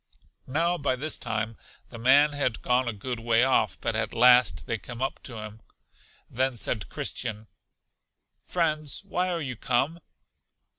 Now, by this time, the man had gone a good way off, but at last they came up to him. Then said Christian, Friends, why are you come?